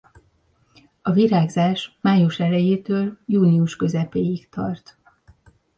A virágzás május elejétől június közepéig tart.